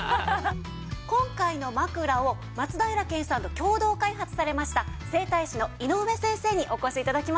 今回の枕を松平健さんと共同開発されました整体師の井上先生にお越し頂きました。